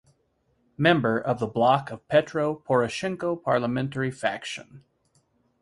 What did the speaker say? Member of the Bloc of Petro Poroshenko parliamentary faction.